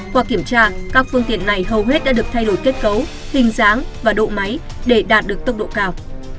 qua kiểm tra các phương tiện này hầu hết đã được thay đổi kết cấu hình dáng và độ máy để đạt được tốc độ cao